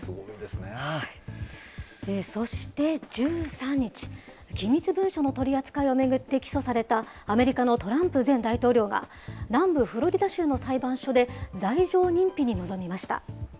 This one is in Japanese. そして１３日、機密文書の取り扱いを巡って起訴されたアメリカのトランプ前大統領が南部フロリダ州の裁判所で罪状認否に臨みました。